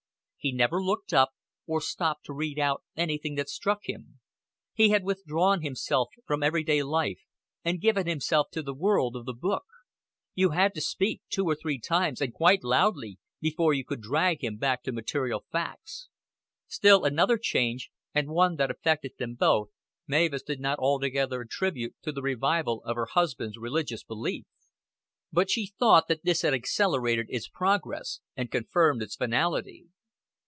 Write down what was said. He never looked up, or stopped to read out anything that struck him; he had withdrawn himself from every day life and given himself to the world of the book; you had to speak two or three times, and quite loudly, before you could drag him back to material facts. Still another change, and one that affected them both, Mavis did not altogether attribute to the revival of her husband's religious belief; but she thought that this had accelerated its progress and confirmed its finality.